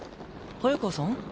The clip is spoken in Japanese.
早川さん？